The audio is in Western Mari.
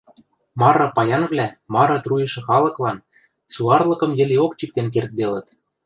мары паянвлӓ мары труйышы халыклан суарлыкым йӹлеок чиктен кердделыт.